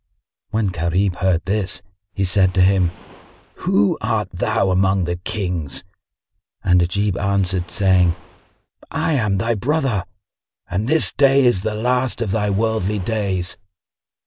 When Gharib heard this, he said to him, "Who art thou among the Kings?" And Ajib answered, saying, "I am thy brother, and this day is the last of thy worldly days."